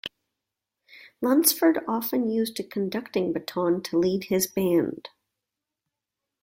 Lunceford often used a conducting baton to lead his band.